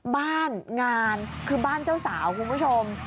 บ้านงานคือบ้านเจ้าสาวคุณผู้ชม